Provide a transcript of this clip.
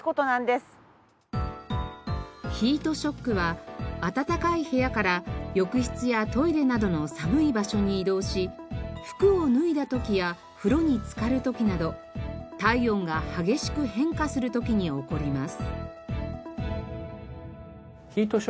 ヒートショックは暖かい部屋から浴室やトイレなどの寒い場所に移動し服を脱いだ時や風呂につかる時など体温が激しく変化する時に起こります。